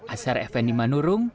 asar fni manurung